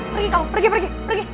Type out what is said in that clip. pergi pergi pergi